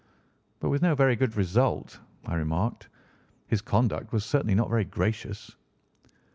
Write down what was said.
"But with no very good result," I remarked. "His conduct was certainly not very gracious."